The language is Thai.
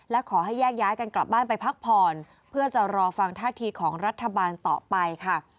และขอให้แยกย้ายกันกลับบ้านไปพักผ่อนเพื่อจะรอฟังท่าทีของรัฐบาลต่อไปค่ะ